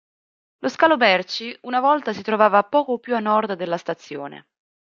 Lo scalo merci una volta si trovava poco più a nord della stazione.